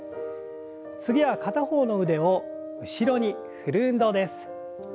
次は片方の腕を後ろに振る運動です。